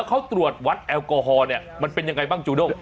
เขาตรวจวัดแอลกอฮอล์เนี่ยมันเป็นยังไงบ้างจูด้ง